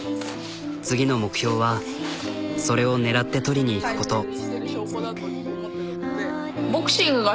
次の目標はそれを狙って取りにいくこと。